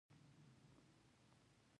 په اوریدو یې فرګوسن خورا ډېر ترې متاثره شوه.